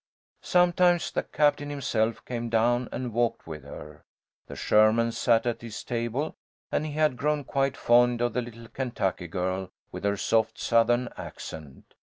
Sometimes the captain himself came down and walked with her. The Shermans sat at his table, and he had grown quite fond of the little Kentucky girl with her soft Southern accent.